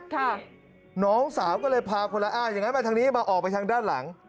ค่ะน้องสาวก็เลยพาคนละอ้างอย่างนั้นมาทางนี้มาออกไปทางด้านหลัง